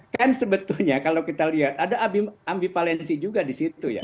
kan sebetulnya kalau kita lihat ada ambipalensi juga di situ ya